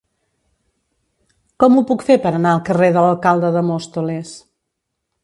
Com ho puc fer per anar al carrer de l'Alcalde de Móstoles?